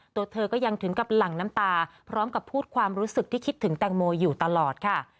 ตัวเธอก็ยังถึงกับหลั่งน้ำตาพร้อมกับพูดความรู้สึกที่คิดถึงแตงโมอยู่ตลอดค่ะ